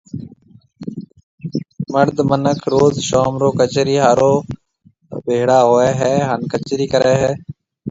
مرد منک روز شام رو ڪچيري ھارو ڀيݪا ھوئيَ ھيََََ ھان ڪچيرِي ڪرَي ھيََََ